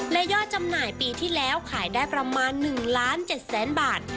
และย่อจำหน่ายปีที่แล้วขายได้ประมาณ๑๗๐๐๐๐๐บาท